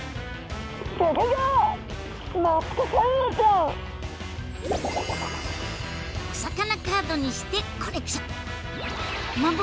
お魚カードにしてコレクション。